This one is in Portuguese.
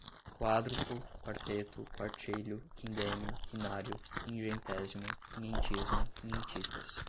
quádruplo, quarteto, quartilho, quindênio, quinário, quingentésimo, quinhentismo, quinhentistas